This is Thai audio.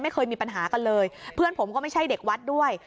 ไม่เคยมีปัญหากันเลยเพื่อนผมก็ไม่ใช่เด็กวัดด้วย